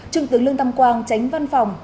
trưng tướng lương tâm quang tránh văn phòng